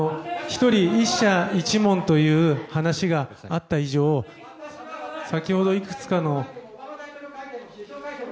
１社１問という話があった以上先ほどいくつかの。